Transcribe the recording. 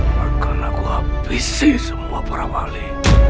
karena aku habisi semua perawali